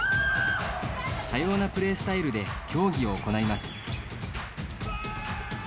多様なプレースタイルで競技を行います。